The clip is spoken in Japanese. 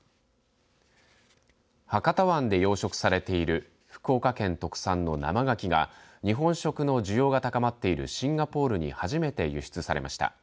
博多湾で養殖されている福岡県特産の生がきが日本食の需要が高まっているシンガポールに初めて輸出されました。